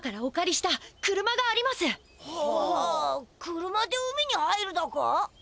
車で海に入るだか？